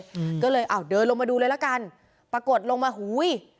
อืมก็เลยอ้าวเดินลงมาดูเลยละกันปรากฏลงมาอุ้ย